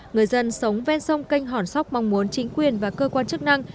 người dân sống ven sông canh hòn sóc mong muốn chính quyền và cơ quan chức năng